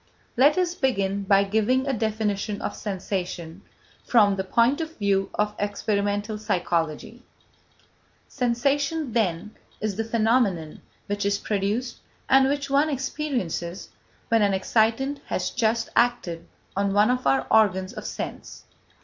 Let us begin by giving a definition of sensation from the point of view of experimental psychology. Sensation, then, is the phenomenon which is produced and which one experiences when an excitant has just acted on one of our organs of sense.